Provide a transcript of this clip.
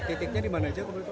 titiknya di mana saja